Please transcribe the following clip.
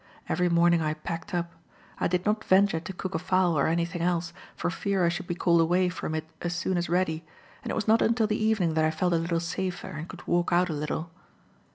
Every morning I packed up. I did not venture to cook a fowl or anything else, for fear I should be called away from it as soon as ready; and it was not until the evening that I felt a little safer, and could walk out a little.